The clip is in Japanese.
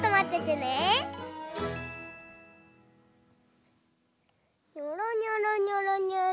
にょろにょろにょろにょろ。